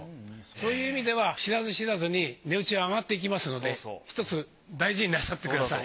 そういう意味では知らず知らずに値打ちは上がっていきますので一つ大事になさってください。